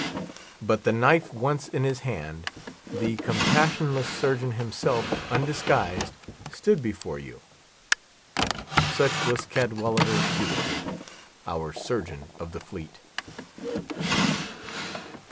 But the knife once in his hand, the compassionless surgeon himself, undisguised, stood before you. Such was Cadwallader Cuticle, our Surgeon of the Fleet.